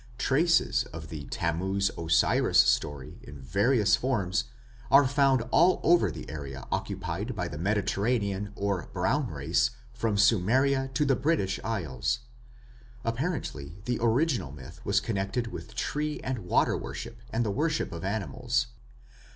Traces of the Tammuz Osiris story in various forms are found all over the area occupied by the Mediterranean or Brown race from Sumeria to the British Isles. Apparently the original myth was connected with tree and water worship and the worship of animals.